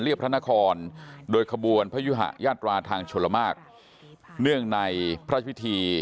พระนครโดยขบวนพยุหะยาตราทางชลมากเนื่องในพระพิธี